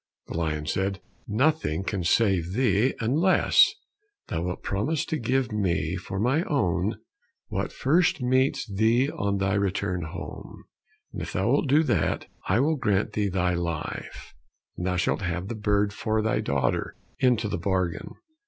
The lion said, "Nothing can save thee, unless thou wilt promise to give me for mine own what first meets thee on thy return home; and if thou wilt do that, I will grant thee thy life, and thou shalt have the bird for thy daughter, into the bargain."